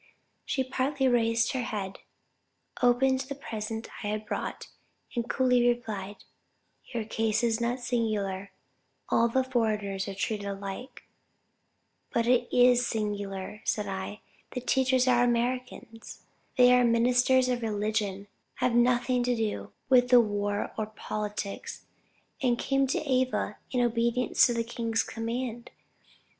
She partly raised her head, opened the present I had brought, and coolly replied, 'Your case is not singular; all the foreigners are treated alike.' But it is singular, said I, the teachers are Americans; they are ministers of religion, have nothing to do with war or politics, and came to Ava in obedience to the king's command.